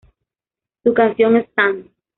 Su canción "Stand".